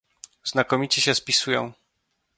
Znakomicie się spisują